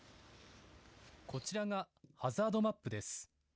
こちらがハザードマップです。